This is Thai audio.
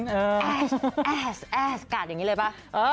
แอ๊สแอ๊สแอ๊สกัดอย่างนี้เลยปะ